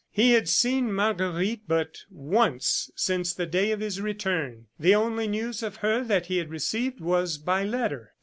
He had seen Marguerite but once since the day of his return. The only news of her that he had received was by letter. ...